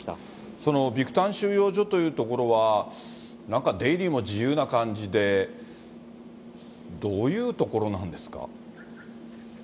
そのビクタン収容所という所は、なんか出入りも自由な感じで、どういう所なんですか。